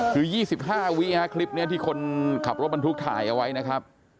อยู่๒๕วินาทีคริปนี้ที่คนขับรถมันทุกข์ถ่ายเอาไว้นะครับ